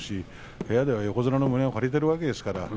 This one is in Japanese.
部屋では横綱の胸を借りているわけですからね。